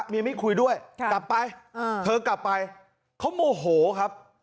ไม่คุยด้วยกลับไปเธอกลับไปเขาโมโหครับ